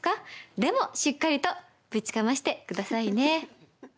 でも、しっかりとぶちかましてくださいね。